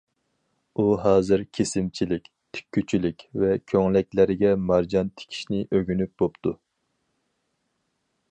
ئۇ ھازىر كېسىمچىلىك، تىككۈچىلىك ۋە كۆڭلەكلەرگە مارجان تىكىشنى ئۆگىنىپ بوپتۇ.